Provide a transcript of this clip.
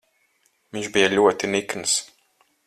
Viņš bija ļoti nikns.